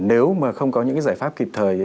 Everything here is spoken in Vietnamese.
nếu mà không có những giải pháp kịp thời